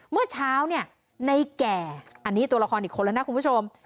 เมื่อเช้าเนี่ยในแก่อันนี้ตัวละครอีกคนแล้วนะคุณผู้ชม